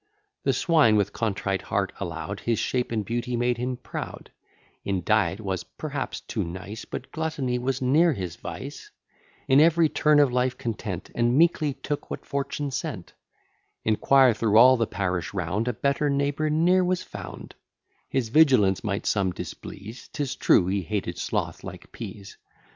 The Swine with contrite heart allow'd, His shape and beauty made him proud: In diet was perhaps too nice, But gluttony was ne'er his vice: In every turn of life content, And meekly took what fortune sent: Inquire through all the parish round, A better neighbour ne'er was found; His vigilance might some displease; 'Tis true, he hated sloth like pease.